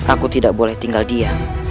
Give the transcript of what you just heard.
aku tidak boleh tinggal diam